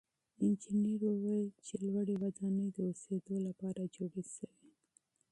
انجنیر وویل چې لوړې ودانۍ د اوسېدو لپاره جوړې سوې.